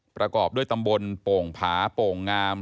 ประกอบด้วยตำบลโป่งผาโป่งงาม